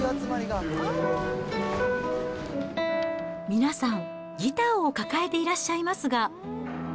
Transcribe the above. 皆さん、ギターを抱えていらっしゃいますが。